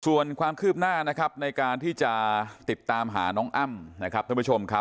ส่วนความคืบหน้าในการที่จะติดตามหาน้องอ้ำ